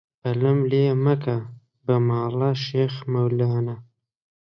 تایر پەلەم لێ مەکە بە ماڵە شێخ مەولانە